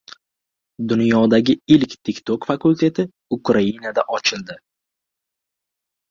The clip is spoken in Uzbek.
Dunyodagi ilk TikTok fakulteti Ukrainada ochildi